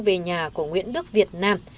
về nhà của nguyễn đức việt nam